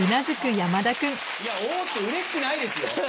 「おぉ」ってうれしくないですよ。